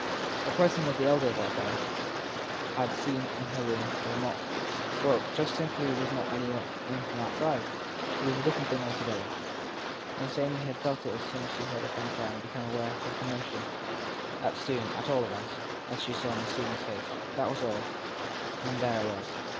The person the elder of our pair had seen in her room was not well, just simply was not any one in from outside. He was a different thing altogether. Miss Amy had felt it as soon as she heard her friend s cry and become aware of her commotion; as soon, at all events, as she saw Miss Susan s face. That was all and there it was.